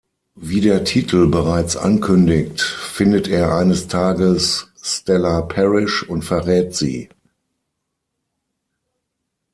Wie der Titel bereits ankündigt, findet er eines Tages Stella Parrish und verrät sie.